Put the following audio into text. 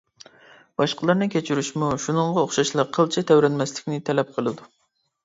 باشقىلارنى كەچۈرۈشمۇ شۇنىڭغا ئوخشاشلا قىلچە تەۋرەنمەسلىكنى تەلەپ قىلىدۇ.